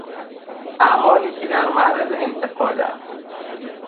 اعمالی که در معرض انتقادند.